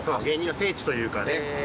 芸人の聖地というかね。